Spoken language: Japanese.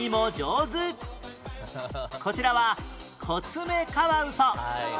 こちらはコツメカワウソ